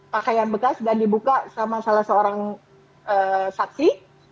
pakaian bekas dan dibuka sama salah seorang saksi